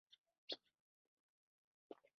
د ټولنې وضعیت باید څه ډول وي.